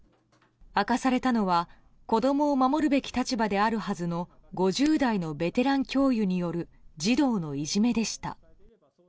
明かされたのは子供を守るべき立場であるはずの５０代のベテラン教諭による児童のいじめでした。